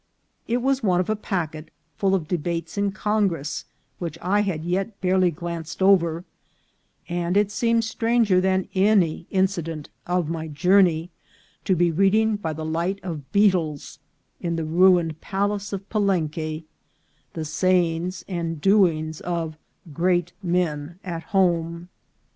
It was one of a packet, full of debates in Congress, which I had as yet barely glanced over, and it seemed stranger than any incident of my journey to be reading by the light of beetles, in the ruined palace of Palenque, the say ings and doings of great men at home.